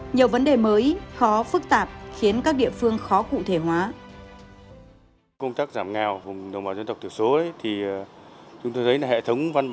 nhiều vấn đề mới khó phức tạp khiến các địa phương khó cụ thể hóa